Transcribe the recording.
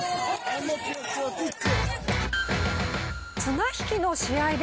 綱引きの試合です。